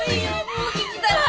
もう聞きたくない。